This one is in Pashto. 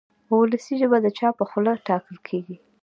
وولسي ژبه د چا په خوله ټاکل کېږي.